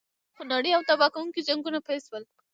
خونړي او تباه کوونکي جنګونه پیل شول.